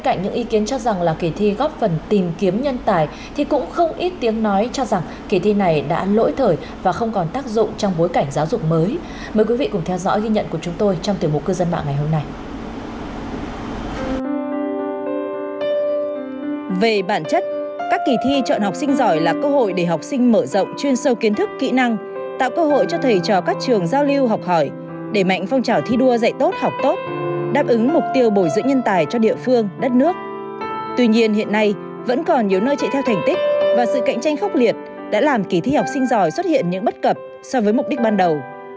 tuy nhiên hiện nay vẫn còn nhiều nơi chạy theo thành tích và sự cạnh tranh khốc liệt đã làm kỳ thi học sinh giỏi xuất hiện những bất cập so với mục đích ban đầu